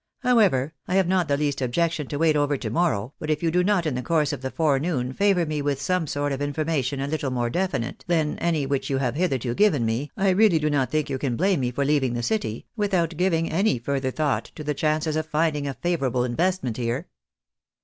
However, I have not the least objection to wait over to morrow, but if you do not in the course of the forenoon favour me with some sort of information a little more definite than any which you have hitherto given me, I really do not think you can blame me for leaving the city, without giving any further thought to the chances of finding a favourable investment here."